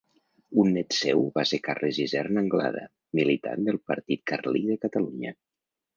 Un nét seu va ser Carles Isern Anglada, militant del Partit Carlí de Catalunya.